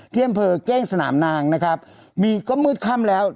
ที่อำเภอเก้งสนามนางนะครับมีก็มืดค่ำแล้ว